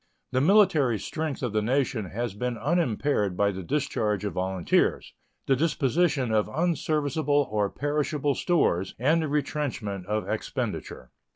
The military strength of the nation has been unimpaired by the discharge of volunteers, the disposition of unserviceable or perishable stores, and the retrenchment of expenditure.